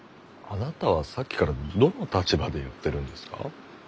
あなたはさっきからどの立場で言ってるんですか？